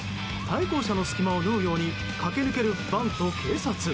対向車の隙間を縫うように駆け抜けるバンと警察。